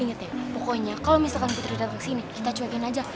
ingat ya pokoknya kalo misalkan putri dateng sini kita cuekin aja